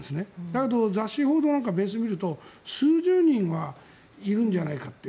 だけど雑誌、報道なんかをベースに見ると数十人はいるんじゃないかって。